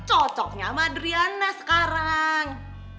cocoknya sama adriana sekarang